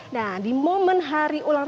nah di momen hari ulang tahun